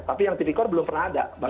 tapi yang tipikor belum pernah ada